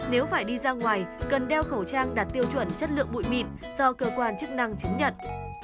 nếu phải đi ra ngoài cần đeo khẩu trang đạt tiêu chuẩn chất lượng bụi mịn do cơ quan chức năng chứng nhận